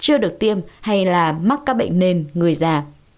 chưa được tiêm hay là mắc các bệnh nền người già